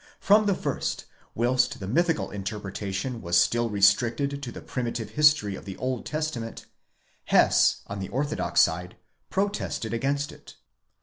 From the first, whilst the mythical interpreta tion was still restricted to the primitive history of the Old Testament, Hess! on the orthodox side, protested against it.